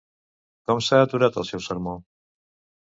Com s'ha aturat el seu sermó?